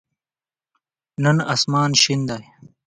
نن آسمان شین دی.